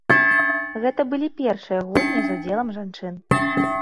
Гэта былі першыя гульні з удзелам жанчын.